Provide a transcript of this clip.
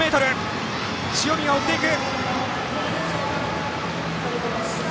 塩見が追っていく。